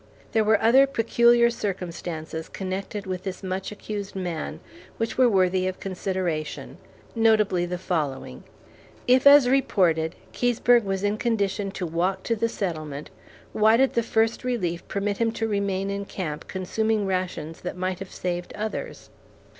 There were other peculiar circumstances connected with this much accused man which were worthy of consideration, notably the following: If, as reported, Keseberg was in condition to walk to the settlement, why did the First Relief permit him to remain in camp consuming rations that might have saved others?